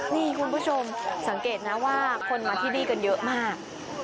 นี่คุณผู้ชมสังเกตนะว่าคนมาที่นี่กันเยอะมาก